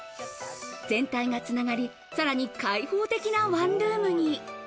全体がつながり、さらに開放的なワンルームに。